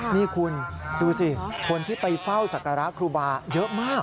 นี่คุณดูสิคนที่ไปเฝ้าศักระครูบาเยอะมาก